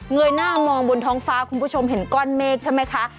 ยหน้ามองบนท้องฟ้าคุณผู้ชมเห็นก้อนเมฆใช่ไหมคะ